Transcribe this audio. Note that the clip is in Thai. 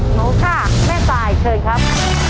หมอสร้างแม่สายเชิญครับ